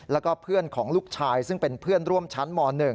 แล้วก็เพื่อนของลูกชายซึ่งเป็นเพื่อนร่วมชั้นม๑